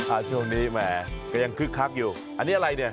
ช่วงนี้แหมก็ยังคึกคักอยู่อันนี้อะไรเนี่ย